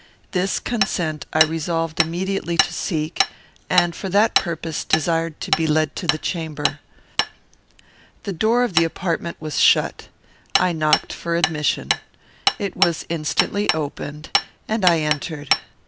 This consent I resolved immediately to seek, and, for that purpose, desired to be led to the chamber. The door of the apartment was shut. I knocked for admission. It was instantly opened, and I entered.